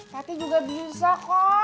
tati juga bisa kok